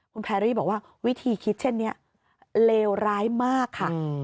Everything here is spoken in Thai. คุณแพรรี่บอกว่าวิธีคิดเช่นนี้เลวร้ายมากค่ะ